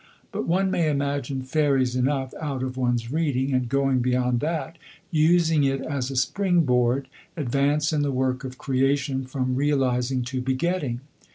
But one may imagine fairies enough out of one's reading, and going beyond that, using it as a spring board, advance in the work of creation from realising to begetting.